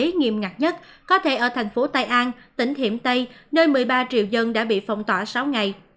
hạn chế nghiêm ngặt nhất có thể ở thành phố tây an tỉnh hiểm tây nơi một mươi ba triệu dân đã bị phong tỏa sáu ngày